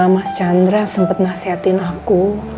mas chandra sempat nasehatin aku